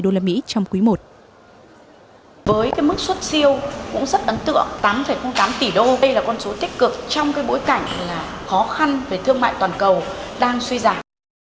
với mức xuất siêu cũng rất ấn tượng tám tám tỷ usd là con số tích cực trong bối cảnh khó khăn về thương mại toàn cầu đang suy giảm